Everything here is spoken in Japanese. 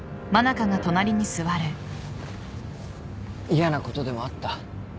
嫌なことでもあった？